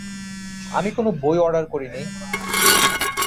আমি কোন বই অর্ডার করিনি।